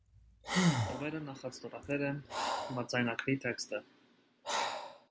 Կողմերը նախաստորագրել են համաձայնագրի տեքստը։